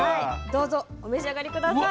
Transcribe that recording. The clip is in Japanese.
どうぞお召し上がり下さい。